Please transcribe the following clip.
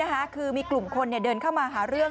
คือมีกลุ่มคนเดินเข้ามาหาเรื่อง